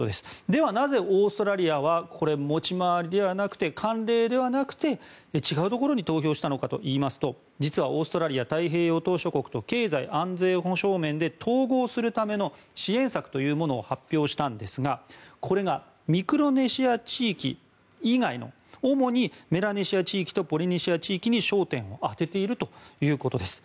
では、なぜ、オーストラリアは持ち回りではなくて慣例ではなくて、違うところに投票したのかといいますと実はオーストラリアは太平洋島しょ国と経済・安全保障面で統合するための支援策というものを発表したんですがこれがミクロネシア地域以外の主にメラネシア地域とポリネシア地域に焦点を当てているということです。